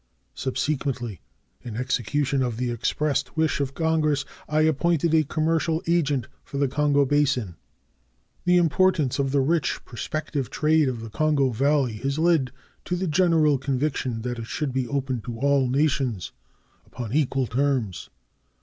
Subsequently, in execution of the expressed wish of the Congress, I appointed a commercial agent for the Kongo basin. The importance of the rich prospective trade of the Kongo Valley has led to the general conviction that it should be open to all nations upon equal terms.